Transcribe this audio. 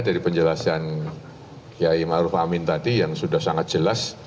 dari penjelasan kiai ma'ruf amin tadi yang sudah sangat jelas